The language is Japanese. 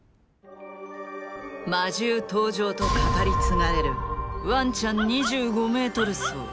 魔獣登場と語り継がれるワンちゃん２５Ｍ走。